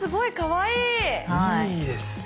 いいですね。